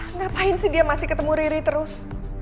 ngapain sih dia masih ketemu riri terus